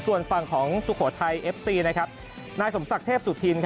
ส่วนฝั่งของสุโขทัยเอฟซีนายสมศักดิ์เทพสุธิน